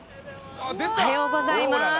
おはようございます。